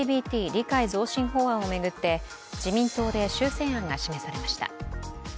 理解増進法案を巡って自民党で修正案が示されました。